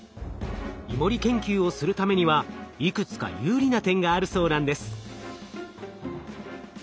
イモリ研究をするためにはいくつか有利な点があるそうなんです。